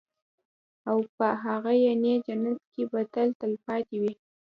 او په هغه يعني جنت كي به تل تلپاتي وي